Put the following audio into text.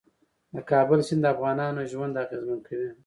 د کابل سیند د افغانانو ژوند اغېزمن کوي.